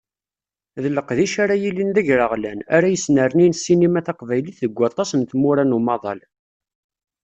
D leqdic ara yilin d agraɣlan, ara yesnernin ssinima taqbaylit deg waṭas n tmura n umaḍal.